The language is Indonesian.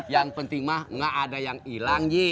yang penting mah enggak ada yang hilang ji